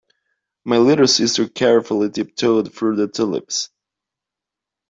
My little sister carefully tiptoed through the tulips.